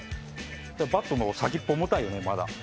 バットの先っぽ重たいよねまだ。